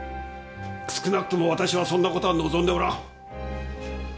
少なくとも私はそんな事は望んでおらん。